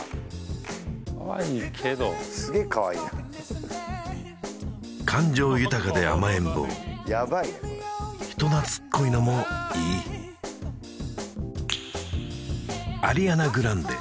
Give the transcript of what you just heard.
かわいいけどすげえかわいいな人懐っこいのもいいアリアナ・グランデ